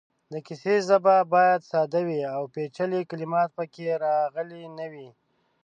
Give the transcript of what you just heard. د کیسې ژبه باید ساده وي او پېچلې کلمات پکې راغلې نه وي.